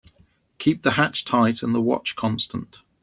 Keep the hatch tight and the watch constant.